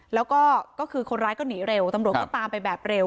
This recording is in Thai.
แล้วก็ก็คือคนร้ายก็หนีเร็วตำรวจก็ตามไปแบบเร็ว